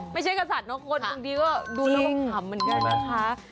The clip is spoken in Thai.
เมื่อกี้รู้รสภาษณ์ด้วย